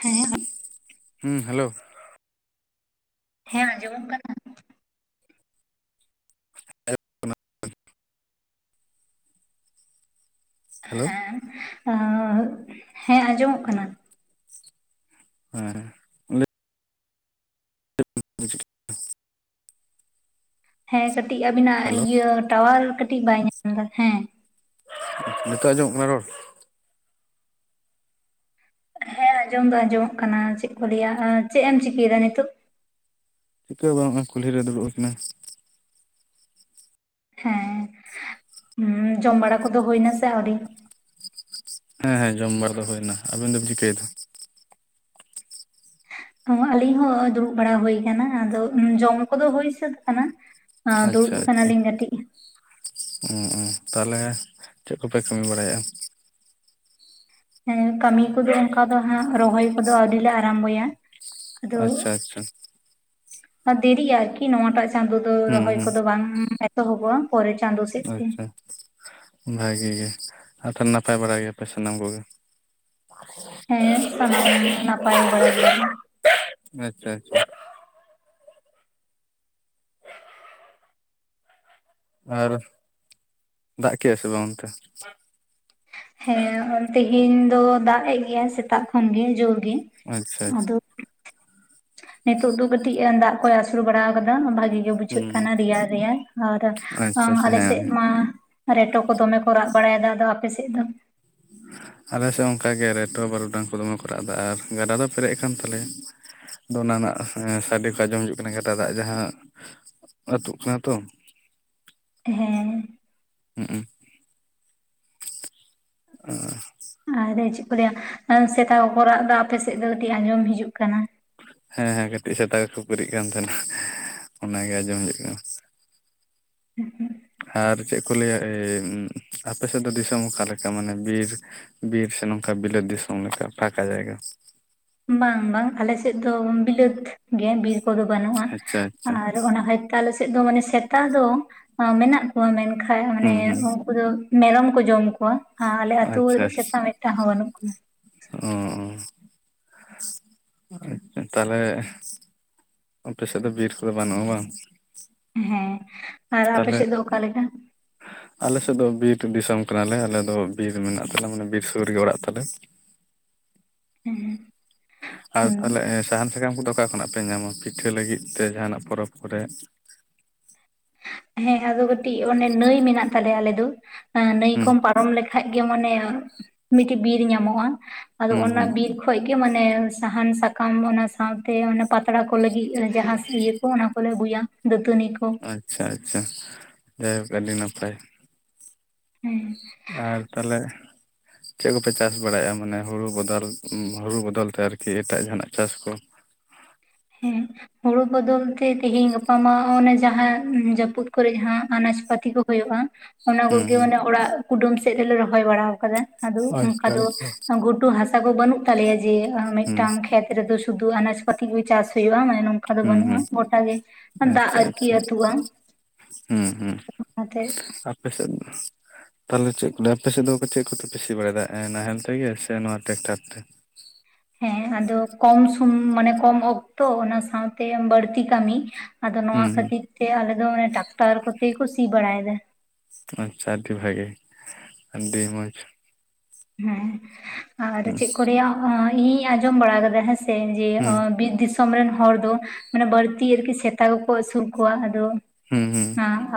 ᱦᱮᱸ [unintelligible] [unintelligible] ᱦᱩᱸ ᱦᱮᱞᱳ ᱦᱮᱸ ᱟᱸᱡᱚᱢᱚᱜ ᱠᱟᱱᱟ [unintelligible] ᱟᱡᱚᱢᱚᱜ ᱠᱟᱱᱟ ᱦᱮᱞᱳ [unintelligible] ᱦᱮᱸ ᱦᱮᱸ ᱟᱸᱡᱚᱢᱚᱜ ᱠᱟᱱᱟ ᱦᱮᱸ ᱻ [unintelligible] ᱦᱮᱸ ᱠᱟᱴᱤᱡ ᱟᱵᱤᱱᱟᱜ ᱦᱮᱞᱳ ᱤᱭᱟᱹ ᱴᱟᱣᱟᱨ ᱠᱟᱴᱤᱡ ᱵᱟᱭ ᱧᱟᱢ ᱮᱫᱟ ᱦᱮᱸ [unintelligible] ᱱᱤᱛᱚᱜ ᱟᱡᱚᱢᱚᱜ ᱠᱟᱱᱟ ᱨᱚᱲ ᱦᱮᱸ ᱟᱸᱡᱚᱢ ᱫᱚ ᱟᱸᱡᱚᱢᱚᱜ ᱠᱟᱱᱟ ᱪᱮᱫ ᱠᱚ ᱞᱟᱹᱭᱟ ᱪᱮᱫ ᱮᱢ ᱪᱤᱠᱟᱹ ᱮᱫᱟ ᱱᱤᱛᱚᱜ ᱪᱤᱠᱟᱹ ᱦᱚᱸ ᱵᱟᱝ ᱦᱚᱜ ᱼᱚᱭ ᱠᱩᱞᱦᱤᱨᱮ ᱫᱩᱲᱩᱵ ᱟᱠᱟᱱᱟ. ᱧ ᱦᱮᱸ ᱡᱚᱢ ᱵᱟᱲᱟ ᱠᱚᱫᱚ ᱦᱩᱭ ᱱᱟ ᱥᱮ ᱟᱹᱣᱨᱤ [unintelligible] ᱦᱮᱸ ᱦᱮᱸ ᱡᱚᱢ ᱵᱟᱲᱟ ᱫᱚ ᱦᱩᱭ ᱮᱱᱟ ᱟᱵᱤᱱ ᱫᱚᱵᱤᱱ ᱪᱤᱠᱟᱹᱭ ᱮᱫᱟ ᱟᱞᱤᱧ ᱦᱚᱸ ᱫᱩᱲᱩᱵ ᱵᱟᱲᱟ ᱦᱩᱭ ᱟᱠᱟᱱᱟ ᱟᱫᱚ ᱡᱚᱢ ᱠᱚᱫᱚ ᱦᱩᱭ ᱥᱟᱹᱛ ᱟᱠᱟᱱᱟ ᱟᱸ ᱟᱪᱪᱷᱟ ᱫᱩᱲᱩᱵ ᱟᱪᱪᱷᱟ ᱠᱟᱱᱟᱞᱤᱧ ᱠᱟᱹᱴᱤᱡ ᱩ ᱩ ᱛᱟᱦᱞᱮ ᱪᱮᱫ ᱠᱚᱯᱮ ᱠᱟᱹᱢᱤ ᱵᱟᱲᱟᱭᱮᱫᱼᱟ ᱦᱮᱸ ᱠᱟᱹᱢᱤ ᱠᱚᱫᱚ ᱚᱱᱠᱟ ᱫᱚ ᱦᱟᱸᱜ ᱨᱚᱦᱚᱭ ᱠᱚᱫᱚ ᱟ. ᱣᱨᱤ ᱞᱮ ᱟᱨᱟᱢᱵᱚᱭᱟ ᱟᱫᱚ ᱟᱪᱪᱷᱟ ᱟᱪᱪᱷᱟ ᱫᱮᱨᱤᱜᱼᱟ ᱟᱨᱠᱤ ᱱᱚᱣᱟᱴᱟᱜ ᱪᱟᱸᱫᱚ ᱚ ᱦᱩᱸ ᱨᱚᱦᱚᱭ ᱦᱩᱸ ᱠᱚᱫᱚ ᱵᱟᱝ ᱮᱛᱚᱦᱚᱵᱚᱜᱼᱟ ᱯᱚᱨᱮ ᱪᱟᱸᱫᱚ ᱥᱮᱫ ᱛᱮ ᱵᱷᱟ. ᱜᱤ ᱜᱮ ᱟᱨ ᱛᱚᱦᱞᱮ ᱱᱟᱯᱟᱭ ᱵᱟᱲᱟ ᱜᱮᱭᱟᱯᱮ ᱥᱟᱱᱟᱢ ᱠᱚᱜᱮ ᱦᱮᱸ ᱥᱟᱱᱟᱢ ᱱᱟᱯᱟᱭ ᱵᱟᱲᱟ ᱜᱮᱭᱟᱞᱮ [unintelligible] ᱟᱪᱪᱷᱟ ᱟᱪᱪᱷᱟ ᱟᱨ ᱫᱟᱜ ᱠᱮᱫᱼᱟ ᱥᱮ ᱵᱟᱝ ᱚᱱᱛᱮ ᱦᱮᱸ ᱛᱮᱦᱮᱧ ᱫᱚ ᱫᱟᱜ ᱮᱫ ᱜᱮᱭᱟ ᱥᱮᱛᱟᱜ ᱠᱷᱚᱱ ᱜᱮ ᱡᱳᱨ ᱜᱮ ᱟᱪᱪᱷᱟ ᱟᱫᱚ ᱱᱤᱛᱚᱜ ᱫᱚ ᱠᱟᱹᱴᱤᱡ ᱫᱟᱜ ᱠᱚᱭ ᱟᱹᱥᱩᱨ ᱵᱟᱲᱟ ᱟᱠᱟᱫᱟ ᱵᱷᱟᱜᱤ ᱜᱮ ᱵᱩᱡᱷᱟᱹᱜ ᱦᱩᱸ ᱠᱟᱱᱟ ᱨᱮᱭᱟᱲ ᱨᱮᱭᱟᱲ ᱟᱨ ᱟᱪᱪᱷᱟ ᱟᱪᱪᱷᱟ ᱟᱞᱮ ᱦᱮᱸ ᱥᱮᱫ ᱢᱟ ᱨᱮᱴᱚ ᱠᱚ ᱫᱚᱢᱮ ᱠᱚ ᱨᱟᱜ ᱵᱟᱲᱟᱭ ᱮᱫᱟ ᱟᱫᱚ ᱟᱯᱮᱥᱮᱫ ᱫᱚ ᱟᱞᱮ ᱥᱮᱜ ᱦᱚᱸ ᱚᱱᱠᱟᱹ ᱜᱮ ᱨᱮᱴᱚ ᱵᱟᱨᱩᱰᱟᱝ ᱠᱚ ᱫᱚᱢᱮ ᱠᱚ ᱨᱟᱜ ᱮᱫᱟ ᱟᱨ ᱜᱟᱰᱟ ᱫᱚ ᱯᱮᱨᱮᱡ ᱟᱠᱟᱱ ᱛᱟᱞᱮᱭᱟᱹ ᱚᱱᱟ ᱱᱟᱜ ᱥᱟᱰᱮ ᱠᱚ ᱟᱸᱡᱚᱢ ᱦᱤᱡᱩᱜ ᱠᱟᱱᱟ ᱜᱟᱰᱟ ᱫᱟᱜ ᱡᱟᱦᱟᱸ ᱟᱹᱛᱩᱜ ᱠᱟᱱᱟᱹ ᱛᱚ᱾ ᱦᱮᱸ ᱦᱩᱸᱜ-ᱩᱸ ᱟᱨ [inaudible] ᱟᱼᱨᱮ ᱪᱮᱫ ᱠᱚ ᱞᱟᱹᱭᱟ ᱥᱮᱛᱟ ᱠᱚᱠᱚ ᱨᱟᱜ ᱮᱫᱚ ᱟᱯᱮ ᱥᱮᱫ ᱫᱚ ᱠᱟᱹᱴᱤᱡ ᱟᱸᱡᱚᱢ ᱦᱤᱡᱩᱜ ᱠᱟᱱᱟᱹ ᱦᱮᱸ ᱦᱮᱸ ᱠᱟᱹᱴᱤᱡ ᱥᱮᱛᱟ ᱠᱚ ᱠᱷᱩᱯᱟᱹᱨᱤᱜ ᱠᱟᱱ ᱛᱟᱦᱮᱱᱟᱹ ᱚᱱᱟ ᱜᱮ ᱟᱸᱡᱚᱢ ᱦᱤᱡᱩᱜ ᱠᱟᱱᱟᱹ ᱟᱨ ᱪᱮᱫ ᱠᱚ ᱞᱟᱹᱭᱟ ᱮᱻ ᱟᱯᱮᱥᱮᱫ ᱫᱚ ᱫᱤᱥᱚᱢ ᱚᱠᱟ ᱞᱮᱠᱟ ᱢᱟᱱᱮ ᱵᱤᱨ ᱵᱤᱨ ᱥᱮ ᱱᱚᱝᱠᱟ ᱵᱤᱞᱟᱹᱛ ᱫᱤᱥᱚᱢ ᱞᱮᱠᱟ ᱯᱷᱟᱸᱠᱟ ᱡᱟᱭᱜᱟ ᱵᱟᱝ ᱵᱟᱝ ᱟᱞᱮᱥᱮᱫ ᱫᱚ ᱵᱤᱞᱟᱹᱛ ᱜᱮᱭᱟ. ᱵᱤᱨ ᱠᱚ ᱫᱚ ᱵᱟᱹᱱᱩᱜᱼᱟ ᱟᱪᱪᱷᱟ ᱟᱪᱪᱷᱟ ᱟᱨ ᱚᱱᱟ [unintelligible] ᱟᱞᱮ ᱥᱮᱫ ᱫᱚ ᱢᱟᱱᱮ ᱥᱮᱛᱟ ᱫᱚ ᱢᱮᱱᱟᱼᱜ ᱠᱚᱣᱟ ᱢᱮᱱ ᱠᱷᱟᱡ ᱢᱟᱱᱮ ᱦᱩᱸ ᱦᱩᱸ ᱯᱩᱨᱟ. ᱢᱮᱨᱚᱢ ᱠᱚ ᱡᱚᱢ ᱠᱚᱣᱟ ᱟᱨ ᱟᱞᱮ ᱟ. ᱛᱩ ᱨᱮ ᱫᱚ ᱥᱮᱛᱟ ᱢᱤᱫᱴᱟᱝ ᱦᱚᱸ ᱵᱟᱹᱱᱩᱜ ᱠᱚᱣᱟ ᱚᱼᱚᱸ [inaudible] ᱟᱼᱪᱷᱟ ᱛᱟᱦᱚᱞᱮ ᱟᱯᱮ ᱥᱮᱫ ᱫᱚ ᱵᱤᱨ ᱠᱳ ᱫᱳ ᱵᱟᱹᱱᱩᱜᱼᱟ ᱵᱟᱝ ᱦᱮᱸ ᱟᱨ ᱟᱯᱮ ᱛᱟᱦᱚᱞᱮ ᱥᱮᱫ ᱫᱚ ᱚᱠᱟ [inaudible] ᱟᱞᱮ ᱥᱮᱫ ᱫᱚ ᱵᱤᱨ ᱫᱤᱥᱚᱢ ᱠᱟᱱᱟ ᱞᱮ ᱟᱞᱮ ᱫᱚ ᱵᱤᱨ ᱢᱮᱱᱟᱜ ᱛᱟᱞᱮᱭᱟ ᱢᱟᱱᱮ ᱵᱤᱨ ᱥᱩᱨ ᱨᱮᱜᱮ ᱚᱲᱟᱜ ᱛᱟᱞᱮ ᱦᱮᱸ ᱟᱨ ᱦᱩᱸ ᱛᱟᱦᱞᱮ ᱥᱟᱦᱟᱱ ᱥᱟᱠᱟᱢ ᱠᱳ ᱫᱳ ᱚᱠᱟ ᱠᱷᱚᱱᱟᱜ ᱯᱮ ᱧᱟᱢᱟ ᱯᱤᱴᱷᱟᱹ ᱞᱟᱹᱜᱤᱫ ᱛᱮ ᱡᱟᱦᱟᱸᱱᱟᱜ ᱯᱚᱨᱚᱵᱽ ᱠᱚᱨᱮ ᱦᱮᱸ ᱟᱫᱚ ᱠᱟᱹᱴᱤᱡ ᱚᱱᱮ ᱱᱟᱹᱭ ᱢᱮᱱᱟᱜ ᱛᱟᱞᱮᱭᱟ ᱟᱞᱮ ᱫᱚ ᱟᱺᱻ ᱱᱟᱹᱭ ᱦᱩᱸ ᱠᱚᱢ ᱯᱟᱨᱚᱢ ᱞᱮᱠᱷᱟᱡ ᱜᱮ ᱢᱟᱱᱮ ᱢᱤᱫᱴᱮᱡ ᱵᱤᱨ ᱧᱟᱢᱚᱜᱼᱟ ᱟᱫᱚ ᱦᱩᱸ ᱚᱱᱟ ᱦᱩᱸ ᱵᱤᱨ ᱠᱷᱚᱡ ᱜᱮ ᱢᱟᱱᱮ ᱥᱟᱦᱟᱱ ᱥᱟᱠᱟᱢ ᱚᱱᱟ ᱥᱟᱶᱛᱮ ᱚᱱᱟ ᱯᱟᱛᱲᱟ ᱠᱚ ᱞᱟᱹᱜᱤᱫ ᱡᱟᱦᱟᱸ ᱤᱭᱟᱹ ᱠᱚ ᱚᱱᱟ ᱠᱚ ᱞᱮ ᱟᱹᱜᱩᱭᱟ᱾ ᱫᱟᱹᱛᱟᱹᱱᱤ ᱠᱚ, ᱟᱪᱷᱟ ᱟᱪᱷᱟ ᱡᱟᱭᱦᱳᱠ ᱟᱹᱰᱤ ᱱᱟᱯᱟᱼᱭ ᱦᱮᱸ ᱟᱨ ᱛᱟᱦᱞᱮ, ᱪᱮᱫ ᱠᱚᱯᱮ ᱪᱟᱥ ᱵᱟᱲᱟᱭᱮᱜᱼᱟ ᱢᱟᱹᱱᱮ ᱦᱩᱲᱩ ᱵᱚᱫᱚᱞ ᱦᱩᱲᱩ ᱵᱚᱫᱚᱞ ᱛᱮ ᱟᱨᱹᱠᱤ ᱮᱴᱟᱜ ᱡᱟᱦᱟᱸᱱᱟᱜ ᱪᱟᱥ ᱠᱚ ᱦᱮᱸ ᱦᱩᱲᱩ ᱵᱚᱫᱚᱞ ᱛᱮ ᱛᱮᱦᱤᱧ ᱜᱟᱯᱟ ᱢᱟ ᱚᱱᱮ ᱡᱟᱦᱟᱸ ᱡᱟᱹᱯᱩᱫ ᱠᱚᱨᱮᱜ ᱡᱟᱦᱟᱸ ᱟᱱᱟᱡ ᱯᱟᱹᱛᱤ ᱠᱚ ᱦᱩᱭᱩᱜᱜᱼᱟ, ᱚᱱᱟ ᱠᱚ ᱦᱩᱸ ᱜᱮ ᱦᱩᱸ ᱢᱟᱱᱮ ᱚᱲᱟᱜ ᱠᱩᱰᱟᱹᱢ ᱥᱮᱫ ᱛᱮᱞᱮ ᱨᱚᱦᱚᱭ ᱵᱟᱲᱟ ᱠᱟᱫᱟᱹ ᱟᱼᱫᱚ ᱚᱱᱠᱟ ᱫᱚ ᱜᱷᱩᱴᱩ ᱦᱟᱥᱟᱹ ᱠᱚ ᱵᱟᱹᱱᱩᱜ ᱛᱟᱞᱮᱭᱟᱹ ᱡᱮ ᱦᱩᱸ ᱢᱤᱫᱴᱟᱝ ᱠᱷᱮᱛ ᱨᱮ ᱫᱚ ᱥᱩᱫᱩᱱᱟᱡ ᱯᱟᱹᱛᱤ ᱜᱮ ᱪᱟᱥ ᱦᱩᱭᱩᱜᱼᱟ ᱢᱟᱱᱮ ᱱᱚᱝᱠᱟ ᱫᱚ ᱦᱩᱸ ᱵᱟᱹᱱᱩᱜᱼᱟ ᱦᱩᱸ ᱜᱚᱴᱟ ᱜᱮ ᱫᱟᱜ ᱟᱪᱪᱷᱟ ᱟᱨᱠᱤ ᱟᱪᱪᱷᱟ ᱟᱹᱛᱩᱜᱼᱟ᱾ ᱦᱩᱸ ᱦᱩᱸ ᱚᱱᱟ ᱛᱮ, ᱟᱯᱮᱥᱮᱡ ᱫᱚ ᱛᱟᱦᱚ ᱞᱮ ᱪᱮᱫ ᱠᱚ ᱟᱸᱯᱮ ᱥᱮᱫ ᱫᱚ ᱪᱮᱫ ᱠᱚᱹᱯᱮ ᱥᱤ ᱵᱟᱲᱟᱭᱮᱫᱟ ᱱᱟᱦᱮᱞ ᱛᱮᱜᱮ ᱥᱮ ᱱᱚᱣᱟ ᱴᱨᱟᱠᱴᱟᱨ ᱛᱮ, ᱦᱮᱸ ᱟᱫᱚ ᱠᱚᱢ ᱥᱚᱢ ᱢᱟᱱᱮ ᱠᱚᱢ ᱚᱼᱠᱛᱚ ᱚᱱᱟᱹ ᱥᱟᱶᱹᱛᱮ ᱵᱟᱹᱲᱛᱤ ᱠᱟᱹᱢᱤ ᱟᱼᱫᱚ ᱱᱚᱣᱟ ᱦᱩᱸ ᱠᱷᱟᱹᱛᱤᱨ ᱛᱮ ᱟᱼᱞᱮᱫ ᱫᱚ ᱚᱱᱮ ᱴᱟᱠᱴᱟᱨ ᱠᱚᱛᱮ ᱜᱮᱠᱚ ᱥᱤ ᱵᱟᱲᱟᱭᱮᱫᱟ᱾ ᱟᱪᱪᱷᱟ ᱟᱹᱰᱤ ᱵᱷᱟᱜᱤ ᱟᱹᱰᱤ ᱢᱚᱸᱡᱽ, ᱦᱮᱸ ᱟᱨ ᱦᱩᱸ ᱪᱮᱫ ᱠᱚ ᱨᱮᱭᱟᱜ ᱤᱧ ᱟᱸᱡᱚᱢ ᱵᱟᱲᱟ ᱟᱼᱠᱟᱫᱟᱹ ᱦᱮᱸ ᱥᱮ ᱥᱮ ᱡᱮ ᱦᱩᱸ ᱵᱤᱨ ᱫᱤᱥᱚᱢᱹ ᱨᱮᱱ ᱦᱚᱲᱹ ᱫᱚ ᱢᱟᱹᱱᱮ ᱵᱟᱹᱲᱛᱤ ᱟᱨᱹᱠᱤ ᱥᱮᱛᱟ ᱠᱚᱠᱚ ᱟᱹᱥᱩᱞ ᱠᱚᱣᱟ ᱟᱼᱫᱚ, ᱦᱩᱸ ᱦᱩᱸ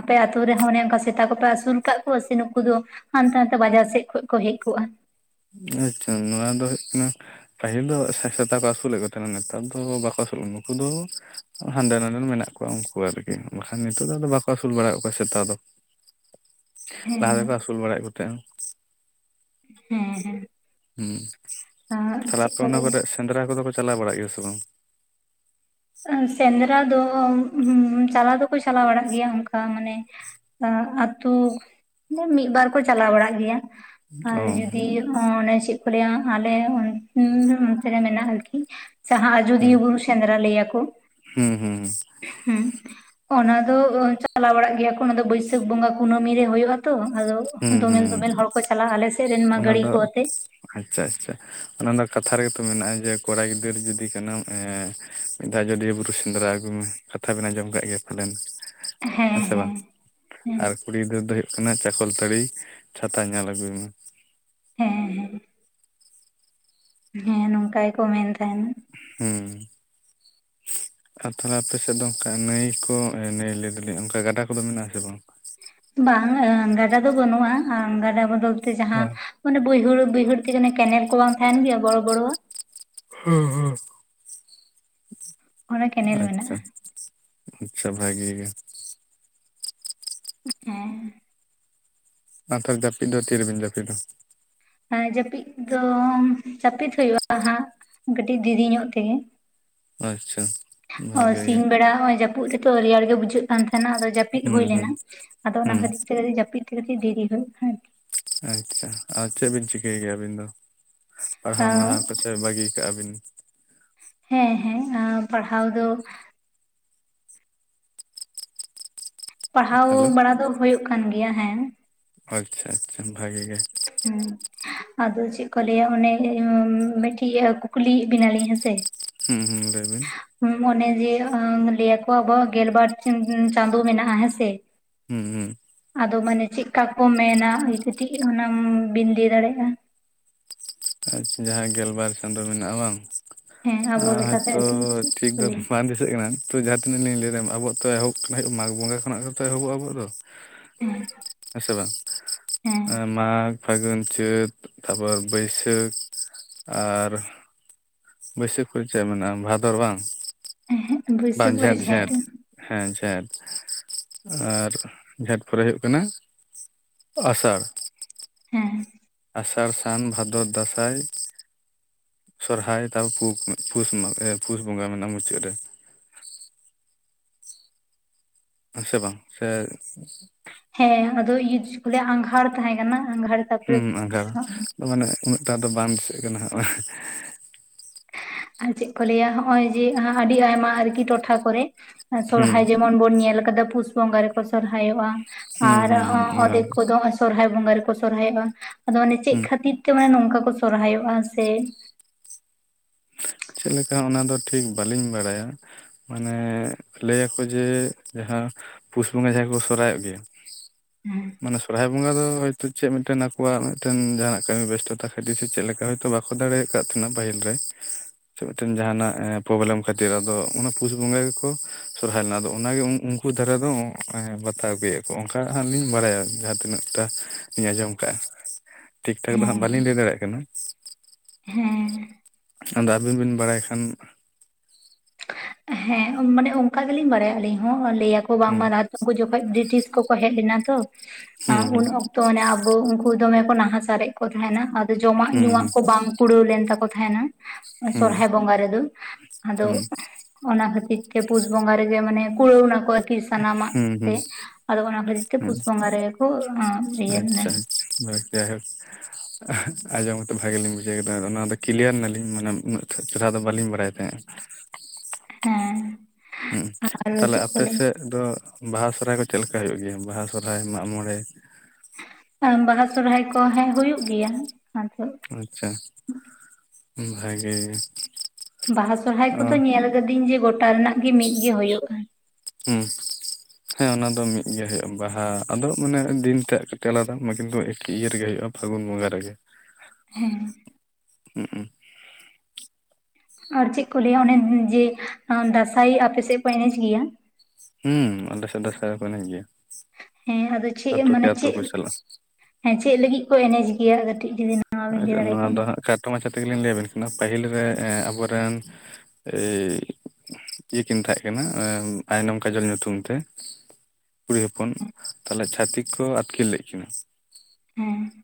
ᱟᱯᱮ ᱟᱛᱳ ᱨᱮᱦᱚᱸ ᱚᱱᱮ ᱚᱱᱠᱟᱹ ᱥᱮᱛᱟ ᱠᱚᱯᱮ ᱟᱹᱥᱩᱞ ᱠᱟᱫ ᱠᱚᱣᱟᱹ ᱥᱮ ᱱᱩᱠᱩ ᱫᱚ ᱦᱟᱱᱛᱮ ᱱᱟᱛᱮ ᱵᱟᱡᱟᱨ ᱥᱮᱫ ᱠᱷᱚᱱ ᱠᱚ ᱦᱮᱡ ᱠᱚᱜᱼᱟ, ᱟᱪᱪᱷᱟ ᱱᱚᱣᱟ ᱫᱚ ᱦᱩᱭᱩᱜ ᱠᱟᱱᱟ, ᱯᱟᱹᱦᱤᱞ ᱫᱚ ᱥᱮᱛᱟ ᱠᱚ ᱟᱹᱥᱩᱞᱮᱫ ᱠᱚ ᱛᱟᱦᱮᱱᱟ ᱱᱮᱛᱟᱨ ᱫᱚ ᱵᱟᱠᱚ ᱟᱹᱥᱩᱞᱮᱫ ᱠᱚᱣᱟ ᱱᱩᱠᱩ ᱫᱚ, ᱦᱟᱸᱰᱮ ᱱᱟᱰᱮ ᱢᱮᱱᱟᱜ ᱠᱚᱣᱟ ᱩᱱᱠᱩᱣᱟᱛᱮ ᱜᱮ ᱵᱟᱠᱷᱟᱱ ᱱᱤᱛᱳᱜ ᱫᱚ ᱟᱼᱫᱚ ᱵᱟᱹᱠᱚ ᱟᱹᱥᱩᱞ ᱵᱟᱹᱲᱟᱮᱫ ᱠᱚᱣᱟ ᱥᱮᱛᱟ ᱫᱚ, [unintelligible] ᱞᱟᱦᱟ ᱦᱮᱸ ᱨᱮᱠᱚ ᱟᱹᱥᱩᱞ ᱵᱟᱹᱲᱟᱭᱮᱫ ᱠᱚ ᱛᱟᱦᱮᱸᱼᱟ ᱦᱮᱸ ᱦᱮᱸ ᱩᱸ ᱛᱟᱦᱚᱞᱮ ᱪᱮᱫ ᱟᱯᱮ ᱠᱚ ᱚᱱᱟ ᱞᱟᱹᱭᱟ ᱠᱚᱨᱮ ᱥᱮᱸᱫᱽᱨᱟ ᱠᱚᱫᱚ ᱠᱚ ᱪᱟᱞᱟᱣ ᱵᱟᱲᱟᱜ ᱜᱮᱭᱟ ᱥᱮ ᱵᱟᱝ? ᱥᱮᱸᱫᱽᱨᱟ ᱫᱚ ᱪᱟᱞᱟᱣ ᱫᱚᱠᱚ ᱪᱟᱞᱟᱣ ᱵᱟᱲᱟᱜ ᱜᱮᱭᱟ ᱚᱱᱠᱟ ᱢᱟᱱᱮ, ᱟᱛᱩ ᱫᱚ ᱢᱤᱫ ᱵᱟᱨ ᱠᱚ ᱪᱟᱞᱟᱣ ᱵᱟᱲᱟᱜ ᱜᱮᱭᱟ᱾ ᱚ ᱟᱨ ᱡᱩᱫᱤ ᱚᱱᱮ ᱪᱮᱫ ᱞᱮᱭᱟ ᱟᱞᱮ ᱚᱱᱛᱮ ᱨᱮ ᱢᱮᱱᱟᱜ ᱟᱨᱠᱤ ᱡᱟᱦᱟ ᱟᱡᱚᱫᱤᱭᱟᱹ ᱵᱩᱨᱩ ᱥᱮᱸᱫᱽᱨᱟ ᱞᱟᱹᱭᱟ ᱠᱚ ᱠᱚ ᱦᱩᱸ ᱦᱩᱸ ᱦᱩᱸ ᱾ ᱦᱩᱸ ᱾ ᱚᱱᱟ ᱫᱚ ᱪᱟᱞᱟᱣ ᱵᱟᱲᱟᱜ ᱜᱮᱭᱟ ᱠᱚ ᱚᱱᱟ ᱫᱚ ᱵᱟᱹᱭᱥᱟᱹᱠᱷ ᱵᱚᱸᱜᱟ ᱠᱩᱱᱟᱹᱢᱤ ᱨᱮ ᱦᱳᱭᱳᱜᱼᱟ ᱛᱚ ᱟᱫᱚ ᱦᱩᱸ ᱾ ᱫᱚᱢᱮᱞ ᱦᱩᱸ ᱫᱚᱢᱮᱞ ᱦᱚᱲ ᱠᱚ ᱪᱟᱞᱟᱜᱼᱟ ᱟᱞᱮᱥᱮᱫ ᱨᱮᱱ ᱢᱟ ᱚᱱᱟ ᱜᱟᱹᱲᱰᱤ ᱫᱚ ᱠᱚ ᱟᱛᱮ᱾ ᱟᱪᱪᱷᱟ ᱟᱪᱪᱷᱟ ᱚᱱᱟ ᱫᱚ ᱠᱟᱛᱷᱟ ᱨᱮᱜᱮ ᱛᱚ ᱢᱮᱱᱟᱜᱼᱟ ᱡᱮ ᱠᱚᱲᱟ ᱜᱤᱫᱽᱟᱹᱨ ᱡᱩᱫᱤ ᱠᱟᱱᱟᱢ ᱮᱻ ᱢᱤᱫ ᱫᱷᱟᱣ ᱟᱡᱚᱫᱤᱭᱟᱹ ᱵᱩᱨᱩ ᱥᱮᱸᱫᱽᱨᱟ ᱟᱹᱜᱩᱭ ᱢᱮ ᱠᱟᱛᱷᱟ ᱵᱮᱱ ᱟᱸᱡᱚᱢ ᱠᱫ ᱜᱮᱭᱟ ᱯᱟᱞᱮᱱ ᱾ ᱦᱮᱸ ᱥᱮ ᱵᱟᱝ ᱦᱮᱸ ᱟᱨ ᱠᱩᱲᱤ ᱜᱤᱫᱨᱟᱹᱨᱟᱹ ᱫᱚ ᱦᱩᱭᱩᱜ ᱠᱟᱱᱟ ᱪᱟ ᱠᱚᱞᱛᱟᱹᱲᱤ ᱪᱷᱟᱛᱟ ᱧᱮᱞ ᱟᱹᱜᱩᱭ ᱢᱮ ᱾ ᱦᱮᱸ ᱦᱮᱸ ᱾ ᱦᱮᱸ ᱱᱚᱝᱠᱟ ᱜᱮᱠᱚ ᱢᱮᱱ ᱛᱟᱦᱮᱸᱱᱟ ᱾ ᱦᱩᱸ ᱾ ᱟᱨ ᱛᱟᱦᱞᱮ ᱟᱯᱮ ᱥᱮᱫ ᱫᱚ ᱚᱱᱠᱟ ᱱᱟᱹᱭ ᱠᱚ ᱱᱟᱹᱭ ᱞᱟᱹᱭ ᱫᱟᱞᱤᱧ ᱚᱱᱠᱟ ᱜᱟᱰᱟ ᱠᱚᱫᱚ ᱢᱮᱱᱟᱜ-ᱟ ᱥᱮ ᱵᱟᱝ? ᱵᱟᱝ-ᱟ ᱜᱟᱰᱟ ᱫᱚ ᱵᱟᱹᱱᱩᱜᱼᱟ ᱜᱟᱰᱟ ᱵᱚᱫᱚᱞ ᱛᱮ ᱡᱟᱦᱟᱸ, ᱢᱟᱱᱮ ᱵᱟᱹᱭᱦᱟᱹᱲ ᱵᱟᱹᱭᱦᱟ. ᱲᱨ ᱛᱮ ᱚᱱᱮ ᱠᱮᱱᱮᱞ ᱠᱚ ᱵᱟᱝ ᱛᱟᱦᱮᱱ ᱜᱮᱭᱟ ᱵᱚᱲᱚ ᱵᱚᱲᱚᱼᱟᱜ ᱾ ᱦᱮᱸ ᱦᱮᱸ ᱚᱱᱟ ᱠᱮᱱᱮᱞ ᱟᱪᱪᱷᱟ ᱢᱮᱱᱟᱜᱼᱟ ᱾ ᱟᱪᱪᱷᱟ ᱵᱷᱟᱹᱜᱤ ᱜᱮ ᱾ ᱦᱮᱸ ᱾ ᱟᱨ ᱛᱟᱨ ᱡᱟᱹᱯᱤᱫ ᱫᱚ ᱛᱤ ᱨᱮᱵᱤᱱ ᱡᱟᱹᱯᱤᱫᱟ? ᱦᱮᱸ ᱡᱟᱹᱯᱤᱫ ᱫᱚ ᱡᱟᱹᱯᱤᱫᱽ ᱦᱩᱭᱩᱜ-ᱟ ᱦᱟᱸᱜ ᱠᱟᱹᱴᱤᱡ ᱫᱤᱨᱤ ᱧᱚᱜ ᱛᱮᱜᱮ ᱾ ᱟᱪᱪᱷᱟ ᱾ ᱦᱚᱭ ᱥᱤᱧ ᱵᱮᱲᱟ ᱦᱚᱸ ᱡᱟᱹᱯᱩᱫ ᱨᱮᱛᱚ ᱨᱮᱭᱟᱲ ᱜᱮ ᱵᱩᱡᱷᱟᱹᱜ ᱠᱟᱱ ᱛᱟᱦᱮᱱᱟ ᱟᱫᱚ ᱡᱟᱹᱯᱤᱫ ᱦᱩᱸ ᱦᱩᱭ ᱦᱩᱸ ᱞᱮᱱᱟ ᱟᱫᱚ ᱚᱱᱟ ᱦᱩᱸ ᱠᱷᱟᱹᱛᱤᱨ ᱛᱮ ᱡᱟᱹᱯᱤᱫ ᱛᱮ ᱠᱟᱹᱴᱤᱡ ᱫᱮᱨᱤ ᱦᱩᱭᱩᱜᱼᱟ ᱾ ᱟᱪᱪᱷᱟ ᱟᱨ ᱪᱮᱫ ᱵᱤᱱ ᱪᱤᱠᱟᱹᱭ ᱠᱮᱭᱟ ᱟᱹᱵᱤᱱ ᱫᱚ ᱯᱟᱲᱦᱟᱣ ᱟᱨᱠᱤ᱾ ᱟᱸ ᱢᱟᱲᱦᱟᱣᱛᱮᱫ? ᱥᱮ ᱵᱟᱹᱜᱤ ᱠᱟᱜ-ᱟ ᱵᱤᱱ ᱾ ᱦᱮᱸ ᱦᱮᱸ ᱟ ᱯᱟᱲᱦᱟᱣ ᱫᱚ ᱯᱟᱲᱦᱟᱣ ᱦᱮᱞᱳ ᱵᱟᱲᱟ ᱫᱚ ᱦᱩᱭᱩᱜ ᱠᱟᱱ ᱜᱮᱭᱟ ᱦᱮᱸ ᱾ ᱟᱪᱪᱷᱟ ᱟᱪᱪᱷᱟ ᱵᱷᱟᱜᱤ ᱜᱮ ᱾ ᱦᱮᱸ ᱾ ᱟᱫᱚ ᱪᱮᱫ ᱠᱚ ᱞᱟᱹᱭᱟ ᱚᱱᱮ ᱮᱸ ᱢᱤᱫᱴᱤᱡ ᱠᱩᱠᱞᱤᱭᱮ ᱵᱮᱱᱟᱞᱤᱧ ᱦᱮᱸᱥᱮ? ᱦᱩᱸ ᱦᱩᱸ ᱞᱟᱹᱭ ᱵᱤᱱ ᱾ ᱢᱚᱱᱮ ᱡᱮ ᱞᱟᱹᱭ ᱟᱠᱚ ᱟᱵᱚᱣᱟᱜ ᱜᱮᱞᱵᱟᱨ ᱪᱟᱸᱫᱚ ᱢᱮᱱᱟᱜ-ᱟ ᱦᱮᱸᱥᱮ ᱦᱩᱸ ᱦᱩᱸ ᱟᱫᱚ ᱢᱟᱱᱮ ᱪᱮᱫᱠᱟ ᱠᱚ ᱢᱮᱱᱟ ᱠᱟᱹᱴᱤᱡ ᱚᱱᱟᱢ ᱵᱤᱱ ᱞᱟᱹᱭ ᱫᱟᱲᱮᱭᱟᱜᱼᱟ ᱾ ᱟᱪᱪᱷᱟ ᱡᱟᱦᱟᱸ ᱜᱮᱞᱵᱟᱨ ᱪᱟᱸᱫᱚ ᱢᱮᱱᱟᱜ-ᱟ ᱵᱟᱝ ᱦᱮᱸ ᱟᱵᱚ ᱾ ᱞᱮᱠᱟᱛᱮ ᱟᱭᱛᱚ ᱟᱨᱠᱤ ᱪᱮᱫ ᱴᱷᱤᱠ ᱠᱚ ᱫᱚ ᱞᱟᱹᱭᱟ ᱵᱟᱝ ᱫᱤᱥᱟᱹᱜ ᱠᱟᱱᱟ ᱾ ᱛᱚ ᱡᱟᱦᱟᱸᱤᱱᱟᱹᱜ ᱞᱤᱧ ᱞᱟᱹᱭᱟᱢ ᱟᱵᱚᱣᱟᱜᱛᱚ ᱮᱦᱚᱵ ᱠᱟᱱᱟ ᱢᱟᱜᱽ ᱵᱚᱸᱜᱟ ᱠᱷᱚᱱᱟᱜ ᱜᱮᱛᱚ ᱮᱦᱚᱵᱚᱜ-ᱟ ᱟᱵᱚᱣᱟᱜ ᱫᱚ ᱾ ᱦᱮᱸ ᱥᱮ ᱵᱟᱝ ᱦᱮᱸ ᱢᱟᱜᱽ, ᱯᱷᱟᱹᱜᱩᱱ ᱪᱟᱹᱛ ᱛᱟᱯᱚᱨ ᱵᱟᱹᱭᱥᱟᱹᱠᱷ ᱟᱨ ᱵᱟᱹᱭᱥᱟᱹᱠᱷ ᱠᱚ ᱪᱮᱫ ᱢᱮᱱᱟᱜᱼᱟ ᱵᱷᱟᱫᱚᱨ ᱵᱟᱝ ᱦᱮᱸ ᱦᱮᱸ ᱵᱟᱝ ᱵᱟᱹᱭᱥᱟᱹᱠᱷ ᱯᱚᱨᱮ ᱡᱷᱮᱸᱴ ᱡᱷᱮᱸᱴ ᱾ ᱦᱮᱸ ᱡᱷᱮᱸᱴ ᱟᱨ ᱡᱷᱮᱸᱴ ᱯᱚᱨᱮ ᱦᱩᱭᱩᱜ ᱠᱟᱱᱟ ᱟᱥᱟᱲ ᱦᱮᱸ ᱾ ᱟᱥᱟᱲ ᱥᱟᱱ ᱵᱷᱟᱫᱚᱨ ᱫᱟᱸᱥᱟᱭ ᱥᱚᱨᱦᱟᱭ ᱛᱟᱯᱚᱨ ᱯᱩ ᱯᱩᱥ ᱵᱚᱸᱜᱟ ᱢᱮᱱᱟᱜ-ᱟ ᱢᱩᱪᱟᱹᱫ ᱨᱮ ᱾ ᱦᱮᱸ ᱥᱮ ᱵᱟᱝ ᱥᱮ ᱦᱮᱸ ᱟᱫᱚ ᱤᱭᱩᱡᱽ ᱵᱚᱞᱮ ᱟᱸᱜᱷᱟᱲ ᱛᱟᱦᱮᱸ ᱠᱟᱱᱟ ᱟᱸᱜᱷᱟᱲ ᱛᱟᱯᱚᱨᱮ ᱦᱮᱸ ᱟᱸᱜᱷᱟᱲ ᱢᱟᱱᱮ ᱩᱱᱟᱹᱜᱴᱟ ᱫᱚ ᱵᱟᱝ ᱫᱤᱥᱟᱹᱜ ᱠᱟᱱᱟᱜ ᱟᱨ ᱪᱮᱫ ᱠᱚ ᱞᱟᱹᱭᱟ ᱦᱚᱜ-ᱚᱭ ᱡᱮ ᱟᱹᱰᱤ ᱟᱭᱢᱟ ᱟᱨᱠᱤ ᱴᱚᱴᱷᱟ ᱠᱚᱨᱮ ᱦᱩᱸ ᱥᱚᱨᱦᱟᱭ ᱡᱚᱜ ᱢᱚᱱ ᱵᱚᱱ ᱧᱮᱞ ᱟᱠᱟᱫᱟ ᱯᱩᱥ ᱵᱚᱸᱜᱟ ᱨᱮᱠᱚ ᱥᱚᱨᱦᱟᱭᱚᱜ-ᱟ ᱦᱩᱸ ᱟᱨ ᱦᱩᱸ ᱦᱩᱸ ᱚᱫᱷᱮᱠ ᱠᱚᱫᱚ ᱥᱚᱨᱦᱟᱭ ᱵᱚᱸᱜᱟ ᱨᱮᱠᱚ ᱥᱚᱨᱦᱟᱭᱚᱜ-ᱟ ᱟᱫᱚ ᱢᱟᱱᱮ ᱪᱮᱫ ᱦᱩᱸ ᱠᱷᱟᱹᱛᱤᱨ ᱛᱮ ᱢᱟᱱᱮ ᱱᱚᱝᱠᱟ ᱠᱚ ᱥᱚᱨᱦᱟᱭᱚᱜ-ᱟ ᱥᱮ ᱪᱮᱫᱞᱮᱠᱟ ᱚᱱᱟᱫᱚ ᱴᱷᱤᱠ ᱵᱟᱹᱞᱤᱧ ᱵᱟᱲᱟᱭᱟ ᱢᱟᱱᱮ ᱞᱟᱹᱭᱟᱠᱚ ᱡᱮ ᱡᱟᱦᱟᱸ ᱯᱩᱥ ᱵᱚᱸᱜᱟ ᱡᱟᱦᱟᱸ ᱠᱚ ᱥᱚᱨᱦᱟᱭᱚᱜ ᱜᱮᱭᱟ᱾ ᱦᱮᱸ ᱢᱟᱱᱮ ᱥᱚᱨᱦᱟᱭ ᱵᱚᱸᱜᱟ ᱫᱚ ᱦᱚᱭᱛᱚ ᱪᱮᱫ ᱢᱤᱫᱴᱮᱱ ᱟᱠᱚᱣᱟᱜ ᱢᱤᱫᱴᱮᱱ ᱡᱟᱦᱟᱱᱟᱜ ᱠᱟᱹᱢᱤ ᱵᱮᱥᱴᱚᱛᱟ ᱠᱷᱟᱹᱛᱤᱨ ᱥᱮ ᱪᱮᱫ ᱞᱮᱠᱟ ᱦᱚᱭ ᱛᱚ ᱵᱟ ᱠᱚ ᱫᱟᱲᱮᱭ ᱟᱠᱟᱫ ᱛᱟᱦᱮᱱᱟ ᱯᱟᱹᱦᱤᱞ ᱨᱮ ᱥᱮ ᱢᱤᱫᱴᱮᱱ ᱡᱟᱦᱟᱱᱟᱜ ᱯᱨᱚᱵᱞᱮᱢ ᱠᱷᱟᱹᱛᱤᱨ ᱟᱫᱚ ᱚᱱᱟ ᱯᱩᱥ ᱵᱚᱸᱜᱟ ᱜᱮᱠᱚ ᱥᱚᱨᱦᱟᱭ ᱞᱮᱱᱟ ᱟᱫᱚ ᱚᱱᱟᱜᱮ ᱩᱱ ᱩᱱ ᱩᱱᱠᱩ ᱫᱷᱟᱨᱟ ᱫᱚ ᱵᱟᱛᱟᱣ ᱟᱹᱜᱩᱭᱮᱫ ᱠᱚ ᱚᱱᱠᱟ ᱦᱟᱜ ᱞᱤᱧ ᱵᱟᱲᱟᱭᱟ ᱡᱟᱦᱟᱸ ᱛᱤᱱᱟᱹᱜᱴᱟ ᱞᱤᱧ ᱟᱸᱡᱚᱢ ᱠᱟᱜ-ᱟ ᱴᱷᱤᱠ ᱴᱷᱟᱠ ᱫᱚ ᱦᱟᱸᱜ ᱵᱟᱹᱞᱤᱧ ᱦᱮᱸ ᱞᱟᱹᱭ ᱫᱟᱲᱮᱭᱟᱜ ᱠᱟᱱᱟ ᱦᱮᱸ ᱟᱫᱚ ᱟᱹᱵᱤᱱ ᱵᱤᱱ ᱵᱟᱲᱟᱭ ᱠᱷᱟᱱ ᱦᱮᱸ ᱢᱟᱱᱮ ᱚᱱᱠᱟ ᱜᱮᱞᱤᱧ ᱵᱟᱲᱟᱭᱟ ᱟᱹᱞᱤᱧ ᱦᱚᱸ ᱞᱟᱹᱭᱟᱠᱚ ᱦᱩᱸ ᱵᱟᱝᱢᱟ ᱨᱟᱡᱽ ᱩᱱᱠᱩ ᱡᱚᱠᱷᱚᱡ ᱵᱨᱤᱴᱤᱥ ᱠᱚ ᱠᱚ ᱦᱮᱡ ᱞᱮᱱᱟ ᱛᱚ ᱦᱩᱸ ᱦᱩᱸ ᱩᱱ ᱚᱠᱛᱚ ᱢᱟᱱᱮ ᱟᱵᱚ ᱩᱱᱠᱩ ᱫᱚᱢᱮ ᱠᱚ ᱱᱟᱦᱟᱪᱟᱨᱮᱫ ᱠᱚ ᱛᱟᱦᱮᱸᱱᱟ ᱡᱚᱢᱟᱜ ᱦᱩᱸ ᱧᱩᱣᱟᱜ ᱦᱩᱸ ᱠᱚ ᱵᱟᱝ ᱠᱩᱲᱟᱹᱣ ᱞᱮᱱ ᱛᱟᱠᱚ ᱛᱟᱦᱮᱱᱟ᱾ ᱦᱩᱸ ᱥᱚᱦᱨᱟᱭ ᱵᱚᱸᱜᱟ ᱨᱮᱫᱚ ᱟᱫᱚ ᱦᱩᱸ ᱚᱱᱟ ᱠᱷᱟᱹᱛᱤᱨ ᱛᱮ ᱯᱩᱥ ᱵᱚᱸᱜᱟ ᱨᱮᱜᱮ ᱢᱟᱱᱮ ᱠᱩᱲᱟᱹᱣ ᱱᱟᱠᱚ᱾ ᱠᱤ ᱥᱟᱱᱟᱢᱟᱜ ᱦᱩᱸ ᱛᱮ ᱦᱩᱸ ᱟᱫᱚ ᱚᱱᱟ ᱠᱷᱟᱹᱛᱤᱨ ᱛᱮ ᱦᱩᱸ ᱯᱩᱥ ᱵᱚᱸᱜᱟ ᱨᱮᱜᱮ ᱠᱚ ᱤᱭᱟᱹ ᱞᱮᱱᱟ᱾ [inaudible] ᱡᱟᱭᱦᱚᱠ [unintelligible] ᱟᱸᱡᱚᱢ ᱠᱟᱛᱮ ᱵᱷᱟᱜᱮ ᱞᱤᱧ ᱵᱩᱡᱷᱟᱹᱣ ᱠᱮᱫᱟ ᱚᱱᱟ ᱫᱚ ᱠᱞᱤᱭᱟ. ᱨ ᱮᱱᱟ ᱞᱤᱧ ᱢᱟᱱᱮ ᱩᱱᱟᱹᱜ ᱪᱮᱨᱦᱟ ᱫᱚ ᱵᱟᱹᱞᱤᱧ ᱵᱟᱲᱟᱭ ᱛᱟᱦᱮᱸᱫ ᱦᱮᱸ ᱦᱩᱸᱜ-ᱩᱸ ᱟᱨ ᱛᱟᱦᱚᱞᱮ ᱪᱮᱫ ᱠᱚ ᱟᱯᱮ ᱞᱟᱹᱭᱟ ᱥᱮᱫ ᱫᱚ ᱵᱟᱦᱟ ᱥᱚᱦᱨᱟᱭ ᱠᱚ ᱪᱮᱫ ᱞᱮᱠᱟ ᱦᱩᱭᱩᱜ ᱜᱮᱭᱟ ᱵᱟᱦᱟ ᱥᱚᱦᱨᱟᱭ ᱢᱟᱜ ᱢᱚᱬᱮ ᱟ.... ᱵᱟᱦᱟ ᱥᱚᱨᱦᱟᱭ ᱠᱚ ᱦᱮᱸᱜ ᱦᱩᱭᱩᱜ ᱜᱮᱭᱟ ᱟᱫᱚ ᱟᱪᱪᱷᱟ ᱵᱷᱟᱜᱮ ᱜᱮ ᱵᱟᱦᱟ ᱥᱚᱦᱨᱟᱭ ᱚ ᱠᱚᱫᱚᱧ ᱧᱮᱞ ᱟᱠᱟᱫᱤᱧ ᱡᱮ ᱜᱚᱴᱟ ᱨᱮᱱᱟᱜ ᱜᱤ ᱢᱤᱫ ᱜᱤ ᱦᱚᱭᱚᱜᱼᱟ ᱦᱩᱸ ᱦᱮᱸ ᱚᱱᱟ ᱫᱚ ᱢᱤᱫᱜᱮ ᱦᱚᱭᱚᱜᱼᱟ ᱵᱟᱦᱟ ᱟᱫᱚ ᱢᱟᱱᱮ ᱫᱤᱱ ᱛᱮᱜ ᱠᱟᱹᱴᱤᱡ ᱟᱞᱟᱫᱟ ᱢᱟ ᱠᱤᱱᱛᱩ ᱮᱠᱤ ᱤᱭᱟ. ᱨᱮᱜᱮ ᱦᱚᱭᱚᱜᱼᱟ ᱯᱷᱟᱹᱜᱩᱱ ᱵᱚᱸᱜᱟ ᱨᱮ ᱜᱮ ᱦᱮᱸ ᱦᱩᱸ ᱟᱨ ᱪᱮᱫ ᱠᱚ ᱞᱟᱹᱭᱟ ᱚᱱᱮ ᱡᱮ ᱫᱟᱸᱥᱟᱭ ᱟᱯᱮᱥᱮᱫ ᱠᱚ ᱮᱱᱮᱡ ᱜᱮᱭᱟ ᱦᱩᱸ ᱟᱞᱮᱥᱮᱫ ᱫᱟᱸᱥᱟᱭ ᱠᱚ ᱮᱱᱮᱡ ᱜᱮᱭᱟ ᱦᱮᱸ ᱟᱫᱚ ᱪᱮᱫ ᱟᱛᱳ ᱠᱮ ᱢᱟᱱᱮ ᱟᱛᱳ ᱪᱮᱫ ᱠᱚ ᱪᱟᱞᱟᱜᱼᱟ ᱦᱮᱸ ᱪᱮᱫ ᱞᱟᱹᱜᱤᱫ ᱠᱚ ᱮᱱᱮᱡ ᱜᱮᱭᱟ ᱠᱟᱹᱴᱤᱡ ᱡᱩᱫᱤ ᱱᱚᱶᱟ ᱵᱤᱱ ᱞᱟᱹᱭ ᱟᱪᱪᱷᱟ ᱫᱟᱲᱮ ᱱᱚᱣᱟ ᱫᱚ ᱠᱮᱭᱟ ᱦᱟᱸᱜ ᱠᱷᱟᱴᱚ ᱢᱟᱪᱷᱟ ᱛᱮᱜᱮ ᱞᱤᱧ ᱞᱟᱹᱭ ᱟᱵᱤᱱ ᱠᱟᱱᱟ ᱯᱟᱹᱦᱤᱞ ᱨᱮ ᱟᱵᱚᱨᱮᱱ ᱮ ᱤᱭᱟᱹ ᱠᱤᱱ ᱛᱟᱦᱮᱸ ᱠᱟᱱᱟ ᱟᱭᱱᱚᱢ ᱠᱟᱡᱚᱞ ᱧᱩᱛᱩᱢ ᱛᱮ ᱠᱩᱲᱤ ᱦᱚᱯᱚᱱ ᱛᱟᱦᱚᱞᱮ ᱪᱷᱷᱟᱛᱤᱠ ᱠᱚ ᱟᱹᱛᱠᱤᱨ ᱞᱮᱫ ᱠᱤᱱᱟᱹ ᱦᱮᱸ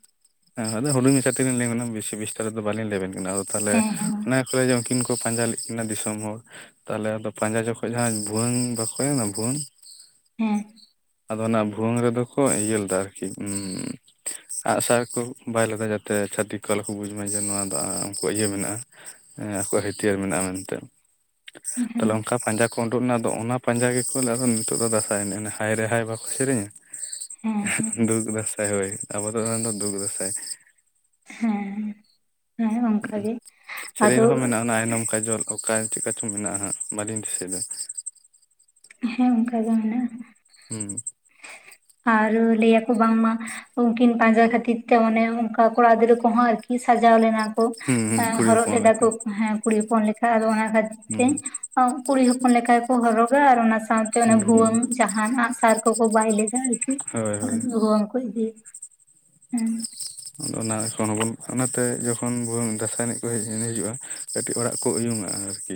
ᱦᱮᱸ ᱟᱫᱚ ᱦᱩᱰᱤᱧ ᱢᱟᱪᱷᱟ ᱞᱤᱧ ᱞᱟᱹᱭ ᱵᱮᱥᱤ ᱵᱤᱥᱛᱟᱨᱤᱛ ᱫᱚ ᱵᱟᱹᱞᱤᱧ ᱛᱮ ᱞᱤᱧ ᱞᱟᱹᱭ ᱟᱵᱤᱱᱟ ᱵᱤᱥᱤ ᱵᱤᱥᱛᱟᱨ ᱛᱮ ᱫᱚ ᱵᱟ. ᱞᱤᱧ ᱞᱟ. ᱭ ᱟᱵᱤᱱ ᱠᱟᱱᱟ ᱟᱫᱚ ᱛᱟᱦᱚᱞᱮ ᱦᱮᱸ ᱦᱮᱸ ᱢᱟ ᱚᱱᱟ ᱠᱚᱨᱮ ᱩᱱᱠᱤᱱ ᱠᱚ ᱯᱟᱸᱡᱟ ᱞᱮᱫ ᱠᱤᱱᱟ ᱫᱤᱥᱚᱢ ᱦᱚᱲ ᱛᱟᱦᱚᱞᱮ ᱟᱫᱚ ᱯᱟᱸᱡᱟ ᱡᱚᱠᱷᱚᱡ ᱡᱟᱦᱟᱸ ᱵᱷᱩᱣᱟᱹᱝ ᱵᱟᱠᱚᱭᱮᱱᱟ ᱵᱷᱩᱣᱟᱹᱝ ᱦᱮᱸ ᱟᱫᱚ ᱚᱱᱟ ᱵᱷᱩᱣᱟᱟᱹᱝ ᱨᱮᱫᱚ ᱠᱚ ᱤᱭᱟᱹ ᱞᱮᱫᱟ ᱟᱨᱠᱤ ᱩᱸᱻ ᱟᱜᱼᱥᱟᱨ ᱠᱚ ᱵᱟᱭ ‌ᱞᱮᱫᱟ ᱡᱟᱛᱮ ᱛᱮ ᱪᱷᱟᱹᱛᱤᱠ ᱠᱚ ᱟᱞᱚ ᱠᱚ ᱵᱩᱡᱽ ᱢᱟ ᱡᱮ ᱱᱚᱶᱟ ᱫᱚ ᱩᱱᱠᱩᱣᱟᱜ ᱤᱭᱟᱹ ᱢᱮᱱᱟᱜᱼᱟ ᱦᱮᱸ ᱟᱠᱚᱣᱟᱜ ᱦᱟᱹᱛᱭᱟᱹᱨ ᱢᱮᱱᱟᱜᱼᱟ ᱢᱮᱱᱛᱮ ᱦᱮᱸ ᱛᱟᱦᱞᱮ ᱚᱱᱠᱟ ᱯᱟᱸᱡᱟ ᱠᱚ ᱚᱸᱰᱚᱸᱝ ᱞᱮᱱᱟ ᱟᱫᱚ ᱚᱱᱟ ᱯᱟᱸᱡᱟ ᱜᱮ ᱠᱚ ᱟᱫᱚ ᱱᱤᱛᱚᱜ ᱫᱚ ᱫᱟᱸᱥᱟᱭ ᱮᱱᱮᱡ ᱦᱟᱭᱨᱮ ᱦᱟᱭ ᱵᱟᱠᱚ ᱥᱮᱨᱮᱧᱟ ᱦᱮᱸ [unintelligible] ᱫᱩᱠ ᱫᱟᱸᱥᱟᱭ ᱦᱚᱭ ᱟᱵᱚ ᱫᱚ ᱚᱱᱟ ᱫᱩᱠ ᱫᱟᱸᱥᱟᱭ ᱦᱮᱸ ᱦᱮᱸ ᱚᱱᱠᱟᱜᱮ ᱥᱮᱨᱮᱧ ᱟᱫᱚ ᱨᱮᱦᱚᱸ ᱢᱮᱱᱟᱜᱼᱟ ᱟᱭᱱᱚᱢ ᱠᱟᱡᱚᱞ ᱚᱠᱟ ᱪᱮᱫᱠᱟ ᱪᱚᱝ ᱢᱮᱱᱟᱜᱼᱟ ᱦᱟᱸᱜ ᱵᱟᱹᱞᱤᱧ ᱫᱤᱥᱟᱹᱭ ᱮᱫᱟ ᱦᱮᱸ ᱚᱱᱠᱟ ᱜᱮ ᱢᱮᱱᱟᱜᱼᱟ ᱦᱩᱸ ᱟᱨ ᱞᱟᱹᱭ ᱟᱠᱚ ᱵᱟᱝᱢᱟ ᱩᱱᱠᱤᱱ ᱯᱟᱸᱡᱟ ᱠᱷᱟᱹᱛᱤᱨ ᱛᱮ ᱚᱱᱮ ᱚᱱᱠᱟ ᱠᱚᱲᱟ ᱜᱤᱫᱽᱨᱟᱹ ᱠᱚᱦᱚᱸ ᱟᱨᱠᱤ ᱥᱟᱡᱟᱣ ᱞᱮᱱᱟ ᱠᱚ ᱦᱩᱸ ᱦᱩᱸ ᱟ... ᱠᱩᱲᱤ ᱦᱚᱨᱚᱜ ᱦᱚᱯᱚᱱ ᱞᱮᱫᱟ ᱞᱮᱠᱟ ᱠᱚ ᱠᱩᱲᱤ ᱦᱚᱯᱚᱱ ᱞᱮᱠᱟ ᱟᱫᱚ ᱚᱱᱟ ᱠᱷᱟᱹᱛᱤᱨ ᱛᱮ ᱦᱩᱸ ᱠᱩᱲᱤ ᱦᱚᱯᱚᱱ ᱞᱮᱠᱟ ᱠᱚ ᱦᱚᱨᱚᱜᱟ ᱟᱨ ᱚᱱᱟ ᱥᱟᱶᱛᱮ ᱛᱮ ᱦᱩᱸ ᱦᱩᱸ ᱵᱷᱩᱣᱟᱹᱝ ᱡᱟᱦᱟᱱ ᱟᱜ-ᱥᱟᱨ ᱠᱚᱠᱚ ᱵᱟᱭ ᱞᱮᱫᱟ ᱟᱨᱠᱤ ᱦᱳᱭ ᱚᱱᱟ ᱦᱳᱭ ᱵᱷᱩᱣᱟᱹᱝ ᱠᱚ ᱤᱫᱤ ᱦᱮᱸ ᱟᱫᱚ ᱚᱱᱟ ᱥᱚᱱ ᱟᱵᱚᱱ ᱚᱱᱟᱛᱮ ᱡᱚᱠᱷᱚᱱ ᱵᱚᱱ ᱫᱟᱸᱥᱟᱭ ᱮᱱᱮᱡ ᱠᱚ ᱦᱤᱡᱩᱜᱼᱟ ᱠᱟᱹᱴᱤᱡ ᱚᱲᱟᱜ ᱠᱚ ᱩᱭᱩᱝ-ᱟ ᱟᱨᱠᱤ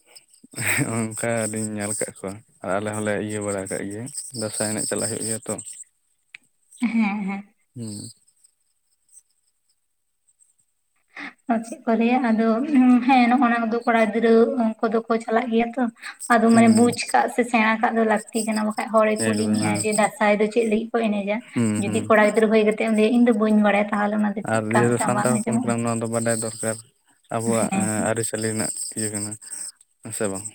[inaudible] [unintelligible] ᱚᱱᱠᱟ ᱞᱤᱧ ᱧᱮᱞ ᱟᱠᱟᱫ ᱠᱚᱣᱟ ᱟᱨ ᱟᱞᱮ ᱦᱚᱸᱞᱮ ᱤᱭᱟᱹ ᱵᱟᱲᱟ ᱠᱟᱸᱜ ᱜᱮᱭᱟ ᱫᱟᱸᱥᱟᱭ ᱮᱱᱮᱡ ᱪᱟᱞᱟᱜ ᱦᱩᱭᱩᱜ ᱜᱮᱭᱟ ᱛᱚ [inaudible] ᱦᱮᱸ ᱦᱮᱸ ᱦᱩᱸ ᱚᱱᱟ ᱪᱮᱫ ᱠᱚ ᱞᱟᱹᱭᱟ ᱟᱫᱚ ᱦᱮᱸ ᱱᱚᱜᱱᱟ ᱠᱚᱫᱚ ᱠᱚᱲᱟ ᱜᱤᱫᱽᱨᱟᱹ ᱠᱚᱫᱚ ᱠᱚ ᱪᱟᱞᱟᱜ ᱜᱮᱭᱟ ᱛᱚ ᱟᱫᱚ ᱢᱟᱱᱮ ᱦᱩᱸ ᱵᱩᱡ ᱠᱟᱜ ᱥᱮ ᱥᱮᱬᱟ ᱠᱟᱜ ᱫᱚ ᱞᱟᱹᱠᱛᱤ ᱠᱟᱱᱟ ᱦᱚᱲ ᱮ ᱠᱩᱞᱤ ᱮᱠᱫᱚᱢ ᱢᱮᱭᱟ ᱦᱮᱸ ᱡᱮ ᱫᱟᱸᱥᱟᱭ ᱫᱚ ᱪᱮᱫ ᱞᱟᱹᱜᱤᱫ ᱠᱚ ᱮᱱᱮᱡᱟ ᱦᱩᱸ ᱡᱩᱫᱤ ᱦᱩᱸ ᱠᱚᱲᱟ ᱜᱤᱫᱽᱨᱟᱹ ᱦᱩᱭ ᱠᱟᱛᱮ ᱛᱮᱢ ᱞᱟ. ᱭᱟ ᱤᱧ ᱫᱚ ᱵᱟᱹᱧ ᱵᱟᱲᱟᱭᱟ ᱛᱟᱦᱚᱞᱮ ᱚᱱᱟ ᱫᱚ ᱟᱨ ᱪᱮᱫᱠᱟ ᱡᱮᱦᱮᱛᱩ ᱢᱤᱫᱴᱟᱝ ᱵᱟᱝ ᱥᱟᱱᱛᱟᱲ ᱦᱚᱯᱚᱱ ᱟᱸᱡᱚᱢᱚᱜᱼᱟ ᱠᱟᱱᱟᱢ ᱱᱚᱣᱟ ᱵᱟᱰᱟᱭ ᱫᱚᱨᱠᱟᱨ ᱟᱵᱚᱣᱟᱜ ᱟᱹᱨᱤᱪᱟᱹᱞᱤ ᱨᱮᱱᱟᱜ ᱤᱭᱟᱹ ᱠᱟᱱᱟ ᱥᱮ ᱵᱟᱝ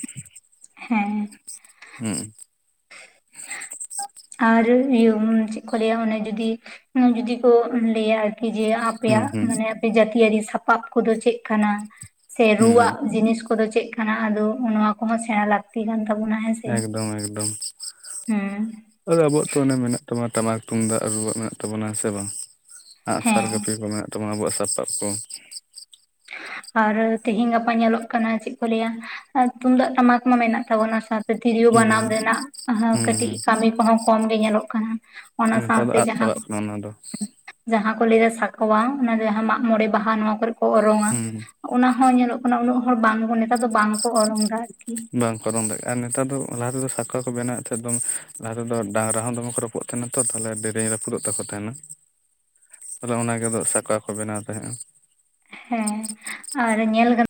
ᱦᱮᱸ ᱾ ᱦᱩᱸ ᱾ ᱟᱨ ᱤᱭᱟᱹ ᱪᱮᱫ ᱠᱚ ᱞᱟᱹᱭᱟ ᱚᱱᱮ ᱡᱩᱫᱤ, ᱡᱩᱫᱤ ᱠᱚ ᱞᱟᱹᱭᱟ ᱡᱮ ᱦᱩᱸ ᱟᱯᱮᱭᱟᱜ ᱦᱩᱸ ᱢᱟᱱᱮ ᱟᱯᱮ ᱡᱟᱹᱛᱤᱭᱟᱹᱨᱤ ᱥᱟᱯᱟᱵ ᱠᱚᱫᱚ ᱪᱮᱫ ᱠᱟᱱᱟ? ᱥᱮ ᱦᱩᱸ ᱦᱩᱸ ᱨᱩᱣᱟᱜ ᱡᱤᱱᱤᱥ ᱠᱚᱫᱚ ᱪᱮᱫ ᱠᱟᱱᱟ? ᱟᱫᱚ ᱱᱚᱣᱟ ᱠᱚᱦᱚᱸ ᱥᱮᱬᱟ ᱞᱟᱹᱠᱛᱤ ᱠᱟᱱ ᱛᱟᱵᱚᱱᱟ ᱦᱮᱸ ᱥᱮ ᱮᱠᱫᱚᱢ ᱮᱠᱫᱚᱢ ᱦᱩᱸ ᱾ ᱟᱫᱚ ᱟᱵᱚᱣᱟᱜ ᱛᱚ ᱚᱱᱮ ᱢᱮᱱᱟᱜ ᱛᱟᱵᱚᱱᱟ, ᱴᱟᱢᱟᱠ ᱛᱩᱢᱫᱟᱜ ᱨᱩᱣᱟᱜ ᱢᱮᱱᱟᱜ ᱛᱟᱵᱚᱱᱟ ᱾ ᱥᱮ ᱵᱟᱝ? ᱟᱸᱜ ᱥᱟᱨ ᱦᱮᱸ ᱠᱟᱹᱯᱤ ᱠᱚ ᱢᱮᱱᱟᱜ ᱛᱟᱵᱚᱱᱟ ᱟᱵᱚᱣᱟᱜ ᱥᱟᱯᱟᱵ ᱠᱚ ᱾ ᱟᱨ ᱛᱮᱦᱮᱧ ᱜᱟᱯᱟ ᱧᱮᱞᱚᱜ ᱠᱟᱱᱟ, ᱪᱮᱫ ᱠᱚ ᱞᱟᱹᱭᱟ? ᱛᱩᱢᱫᱟᱜ ᱴᱟᱢᱟᱠ ᱢᱟ ᱢᱮᱱᱟᱜ ᱛᱟᱵᱚᱱᱟ ᱥᱟ ᱛᱤᱨᱤᱭᱳ ᱦᱩᱸ ᱵᱟᱱᱟᱢ ᱦᱩᱸ ᱨᱮᱱᱟᱜ ᱠᱟᱹᱴᱤᱡ ᱦᱩᱸ ᱠᱟᱹᱢᱤ ᱠᱚᱦᱚᱸ ᱠᱚᱢ ᱜᱮ ᱧᱮᱞᱚᱜ ᱠᱟᱱᱟ ᱾ ᱱᱮᱛᱟᱨ ᱫᱚ ᱟᱫ ᱪᱟᱵᱟᱜ ᱠᱟᱱᱟ ᱚᱱᱟ ᱫᱚ ᱾ ᱡᱟᱦᱟᱸ ᱠᱚ ᱞᱟᱹᱭᱟ ᱥᱟᱠᱚᱶᱟ, ᱚᱱᱟ ᱡᱟᱦᱟᱸ ᱢᱟᱜ ᱢᱚᱬᱮ ᱵᱟᱦᱟ ᱱᱚᱣᱟ ᱠᱚᱨᱮ ᱠᱚ ᱚᱨᱚᱝᱼᱟ ᱾ ᱦᱩᱸ ᱚᱱᱟᱦᱚᱸ ᱧᱮᱞᱚᱜ ᱠᱟᱱᱟ ᱩᱱᱟᱹᱜ ᱦᱚᱲ ᱵᱟᱝ ᱱᱮᱛᱟᱨ ᱫᱚ ᱵᱟᱝᱠᱚ ᱚᱨᱚᱝ ᱫᱟ ᱾ ᱵᱟᱝ ᱠᱚ ᱚᱨᱚᱝ ᱫᱟᱲᱮᱭᱟᱜᱼᱟ ᱾ ᱟᱨ ᱱᱮᱛᱟᱨ ᱫᱚ ᱞᱟᱦᱟ ᱛᱮᱫᱚ ᱥᱟᱠᱶᱟ ᱠᱚ ᱵᱮᱱᱟᱣᱮᱫ ᱛᱟᱦᱮᱫ ᱫᱚ ᱞᱟᱦᱟ ᱛᱮᱫᱚ ᱰᱟᱝᱨᱟ ᱦᱚᱸ ᱫᱚᱢᱮ ᱠᱚ ᱨᱚ [unintelligible] ᱛᱟᱦᱮᱱᱟ ᱛᱚ ᱛᱟᱦᱚᱞᱮ ᱰᱮᱨᱮᱧ ᱨᱟᱹᱯᱩᱫᱚᱜ ᱛᱟᱠᱚ ᱛᱟᱦᱮᱱᱟ ᱾ [inaudible] ᱛᱟᱦᱚᱞᱮ ᱚᱱᱟᱜᱮ ᱟᱫᱚ ᱥᱟᱠᱶᱟ ᱠᱚ ᱵᱮᱱᱟᱣ ᱛᱟᱦᱮᱸᱜᱼᱟ ᱾ ᱦᱮᱸ, ᱟᱨ ᱧᱮᱞ [unintelligible]